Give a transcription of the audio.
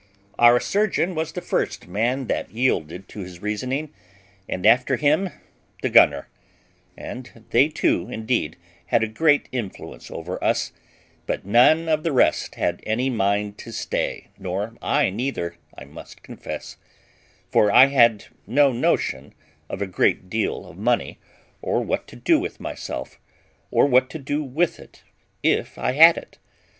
Our surgeon was the first man that yielded to his reasoning, and after him the gunner; and they too, indeed, had a great influence over us, but none of the rest had any mind to stay, nor I neither, I must confess; for I had no notion of a great deal of money, or what to do with myself, or what to do with it if I had it.